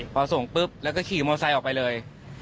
พอส่งปุ๊บแล้วก็ขี่มอไซค์ออกไปเลย